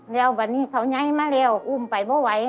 แล้ววันนี้เขาย้ายมาเร็วอุ้มไปเพราะไหว